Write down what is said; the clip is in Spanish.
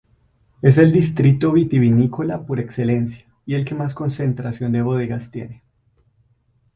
Es el distrito vitivinícola por excelencia y el que más concentración de bodegas tiene.